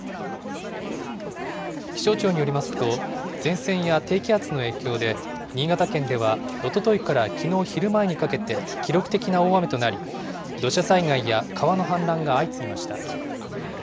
気象庁によりますと、前線や低気圧の影響で、新潟県ではおとといからきのう昼前にかけて、記録的な大雨となり、土砂災害や川の氾濫が相次ぎました。